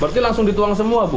berarti langsung dituang semua bu